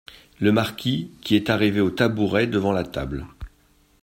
Le marquis , qui est arrivé au tabouret devant la table.